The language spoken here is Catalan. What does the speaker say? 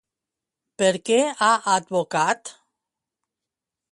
Per què ha advocat?